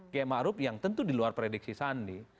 kiai ma'ruf yang tentu di luar prediksi sandi